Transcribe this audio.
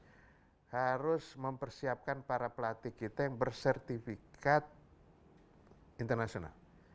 kita harus mempersiapkan para pelatih kita yang bersertifikat internasional